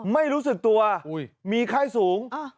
ไม่รู้สึกตัวอุ้ยมีไข้สูงอ่า